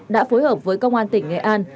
đã phối hợp với công an tỉnh nghệ an